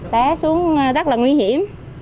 té xuống rất là nguy hiểm